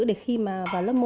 để khi mà vào lớp một